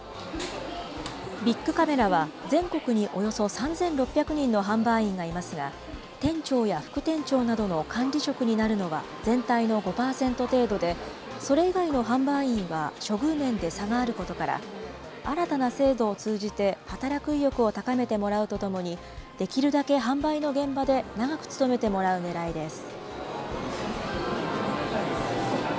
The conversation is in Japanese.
ビックカメラは全国におよそ３６００人の販売員がいますが、店長や副店長などの管理職になるのは全体の５％程度で、それ以外の販売員は処遇面で差があることから、新たな制度を通じて、働く意欲を高めてもらうとともに、できるだけ販売の現場で長く勤めてもらうねらいです。